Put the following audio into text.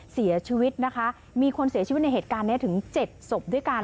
เสียชีวิตนะคะมีคนเสียชีวิตในเหตุการณ์นี้ถึง๗ศพด้วยกัน